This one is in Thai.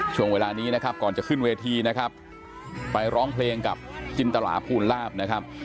ช่วงเวลานี้นะครับก่อนจะขึ้นเวทีนะครับไปร้องเพลงกับจินตลาภูลลาบนะครับ